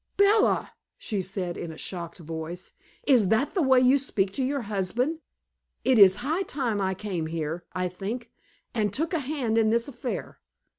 "Bella!" she said in a shocked voice, "is that the way you speak to your husband! It is high time I came here, I think, and took a hand in this affair."